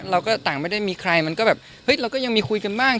เราก็ต่างไม่ได้มีใครมันก็แบบเฮ้ยเราก็ยังมีคุยกันบ้าง